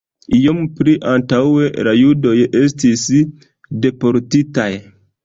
Iom pli antaŭe la judoj estis deportitaj.